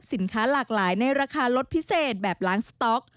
สินค้าหลากหลายในราคาลดพิเศษแบบล้านสต๊อก